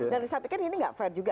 dan saya pikir ini tidak fair juga